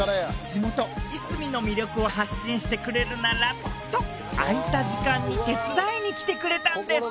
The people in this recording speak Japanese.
地元・いすみの魅力を発信してくれるならと空いた時間に手伝いに来てくれたんです。